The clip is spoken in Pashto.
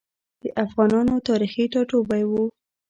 د افغانانو تاریخي ټاټوبی و.